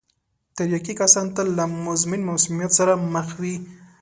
تریاکي کسان تل له مزمن مسمومیت سره مخ وي.